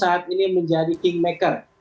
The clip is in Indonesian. saat ini menjadi kingmaker